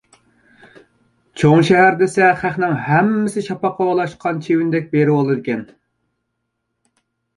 چوڭ شەھەر دېسە خەقنىڭ ھەممىسى شاپاققا ئولاشقان چىۋىندەك بېرىۋالىدىكەن.